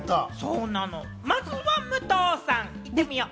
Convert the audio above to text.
まずは武藤さん、いってみよう。